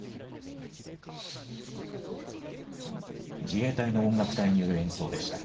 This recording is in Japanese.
自衛隊の音楽隊による演奏でした。